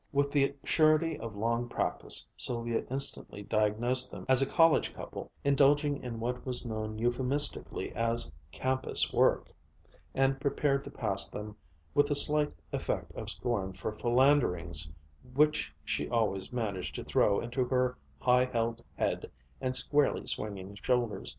With the surety of long practice Sylvia instantly diagnosed them as a college couple indulging in what was known euphemistically as "campus work," and prepared to pass them with the slight effect of scorn for philanderings which she always managed to throw into her high held head and squarely swinging shoulders.